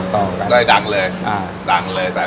เช่นอาชีพพายเรือขายก๋วยเตี๊ยว